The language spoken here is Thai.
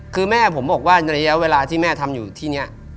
คือแม่ผมบอกว่าในระยะเวลาที่แม่ทำอยู่ที่นี้